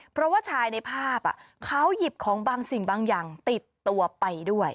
เพราะว่าชายในภาพเขาหยิบของบางสิ่งบางอย่างติดตัวไปด้วย